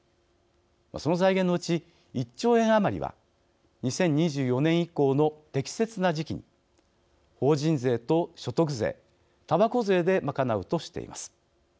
その財源のうち１兆円余りは２０２４年以降の適切な時期に法人税と所得税、たばこ税で賄うとしています。